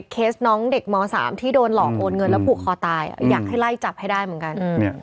เคสน้องเด็กม๓ที่โดนหลอกโอนเงินแล้วผูกคอตายอยากให้ไล่จับให้ได้เหมือนกัน